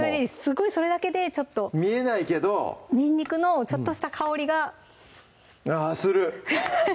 すごいそれだけでちょっと見えないけどにんにくのちょっとした香りがあする！